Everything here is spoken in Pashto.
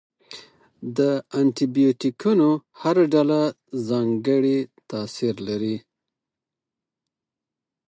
د انټي بیوټیکونو هره ډله ځانګړی تاثیر لري.